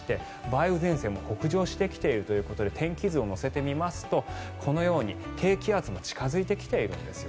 梅雨前線も北上してきているということで天気図を乗せてみますとこのように低気圧が近付いてきているんです。